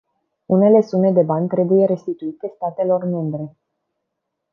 Unele sume de bani trebuie restituite statelor membre.